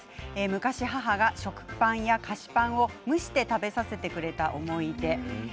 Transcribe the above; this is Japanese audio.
昔、母が食パンや菓子パンを蒸して食べさせてくれた思い出。